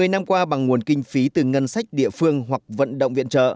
một mươi năm qua bằng nguồn kinh phí từ ngân sách địa phương hoặc vận động viện trợ